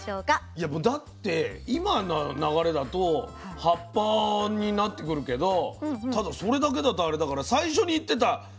いやもうだって今の流れだと葉っぱになってくるけどただそれだけだとあれだから最初に言ってた根じゃないの？